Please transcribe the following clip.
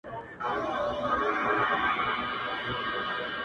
دا ناځوانه نور له كاره دى لوېــدلى~